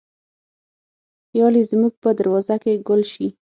خیال یې زموږ په دروازه کې ګل شي